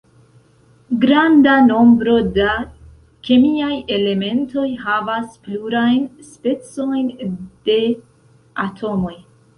Granda nombro da kemiaj elementoj havas plurajn specojn de atomoj.